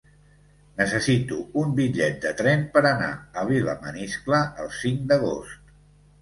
Necessito un bitllet de tren per anar a Vilamaniscle el cinc d'agost.